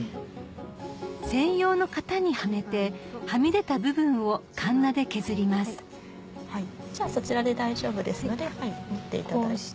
専用の型にはめてはみ出た部分をカンナで削りますじゃあそちらで大丈夫ですので持っていただいて。